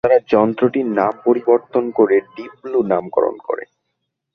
তারা যন্ত্রটির নাম পরিবর্তন করে ডিপ ব্লু নামকরণ করে।